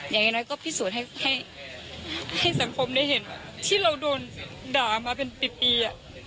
อย่างน้อยก็พิสูจน์ให้สังคมได้เห็นที่เราโดนด่ามาเป็นปี